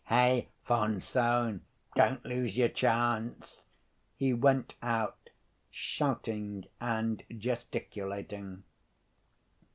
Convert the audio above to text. Hey, von Sohn, don't lose your chance." He went out, shouting and gesticulating.